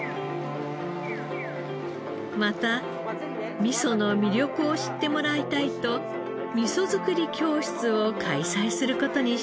また味噌の魅力を知ってもらいたいと味噌造り教室を開催する事にしたのです。